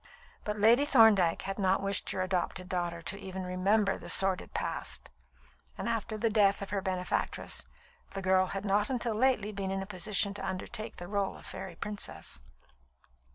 But Lady Thorndyke had not wished her adopted daughter even to remember the sordid past; and after the death of her benefactress, the girl had not until lately been in a position to undertake the rôle of fairy princess.